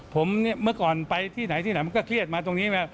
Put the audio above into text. ผมเมื่อก่อนไปที่ไหนที่ไหนมันก็เครียดมาตรงนี้มา